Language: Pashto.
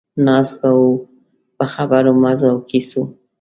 ناست به وو په خبرو، مزو او کیسو.